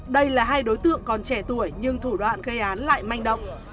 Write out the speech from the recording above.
đây là hai đối tượng còn trẻ tuổi nhưng thủ đoạn gây án lại manh động